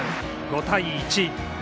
５対１。